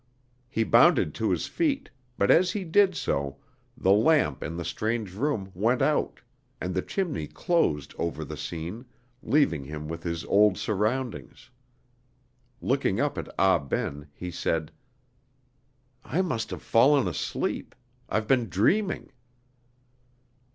He bounded to his feet; but as he did so, the lamp in the strange room went out, and the chimney closed over the scene, leaving him with his old surroundings. Looking up at Ah Ben, he said: "I must have fallen asleep. I've been dreaming."